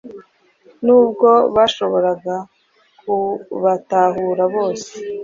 nubwo bashoboraga kubatahura bose